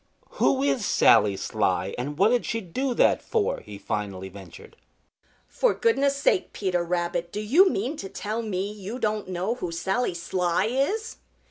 "Who is Sally Sly, and what did she do that for?" he finally ventured. "For goodness' sake, Peter Rabbit, do you mean to tell me you don't know who Sally Sly is?"